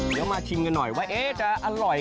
เดี๋ยวมาชิมกันหน่อยว่าจะอร่อยมั้ยนะครับ